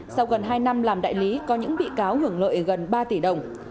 sau gần hai năm làm đại lý có những bị cáo hưởng lợi gần ba tỷ đồng